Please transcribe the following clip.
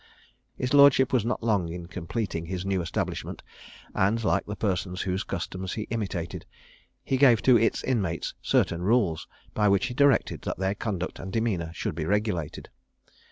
His lordship was not long in completing his new establishment; and, like the persons whose customs he imitated, he gave to its inmates certain rules, by which he directed that their conduct and demeanour should be regulated.